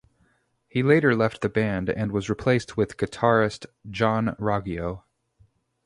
He later left the band and was replaced with guitarist John Roggio.